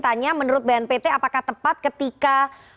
tanya menurut bnpt apakah tepat ketika